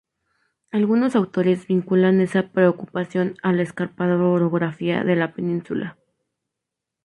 Algunos autores vinculan esa preocupación a la escarpada orografía de la Península.